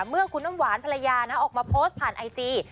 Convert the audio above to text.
เมื่อคุณน้ำหวานภรรยานะออกมาโพสต์ผ่านไอจี